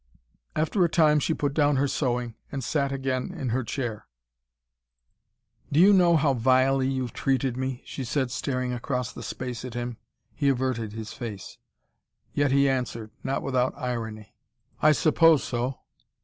After a time she put down her sewing, and sat again in her chair. "Do you know how vilely you've treated me?" she said, staring across the space at him. He averted his face. Yet he answered, not without irony. "I suppose so."